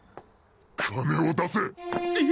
金を出せっ！